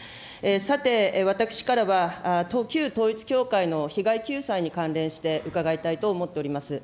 さて、私からは旧統一教会の被害救済に関連して伺いたいと思っております。